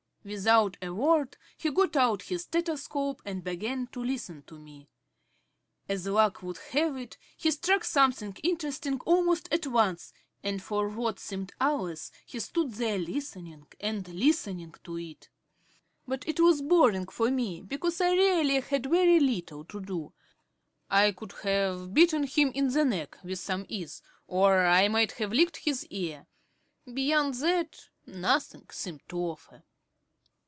Without a word he got out his stethoscope and began to listen to me. As luck would have it, he struck something interesting almost at once, and for what seemed hours he stood there listening and listening to it. But it was boring for me, because I really had very little to do. I could have bitten him in the neck with some ease ... or I might have licked his ear. Beyond that, nothing seemed to offer.